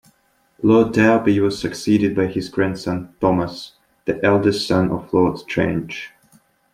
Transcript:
Lord Derby was succeeded by his grandson Thomas, the eldest son of Lord Strange.